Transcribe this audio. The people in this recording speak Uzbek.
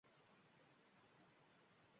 Odamlar bor: tirik bo‘lsalar ham o‘liklar.